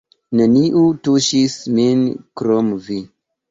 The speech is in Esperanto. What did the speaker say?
Neniu tuŝis min krom vi!